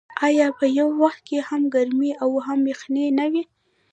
آیا په یو وخت کې هم ګرمي او هم یخني نه وي؟